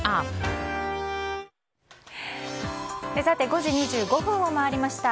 ５時２５分を回りました。